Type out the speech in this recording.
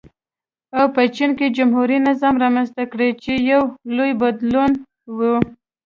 او په چین کې جمهوري نظام رامنځته کړي چې یو لوی بدلون و.